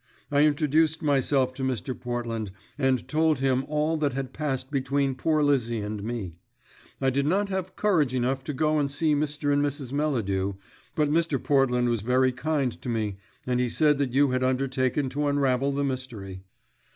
I introduced myself to Mr. Portland, and told him all that had passed between poor Lizzie and me. I did not have courage enough to go and see Mr. and Mrs. Melladew, but Mr. Portland was very kind to me, and he said that you had undertaken to unravel the mystery."